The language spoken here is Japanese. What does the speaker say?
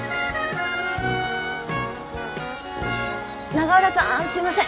永浦さんすいません。